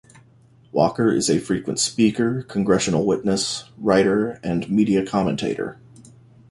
Walker is a frequent speaker, Congressional witness, writer, and media commentator.